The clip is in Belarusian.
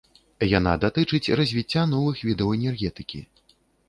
Яна датычыць развіцця новых відаў энергетыкі.